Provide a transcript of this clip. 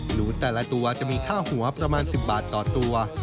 หนูแต่ละตัวจะมีค่าหัวประมาณ๑๐บาทต่อตัว